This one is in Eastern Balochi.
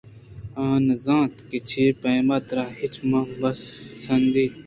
آ نہ زانت کہ چہ پیما ترااچ من بہ سندیت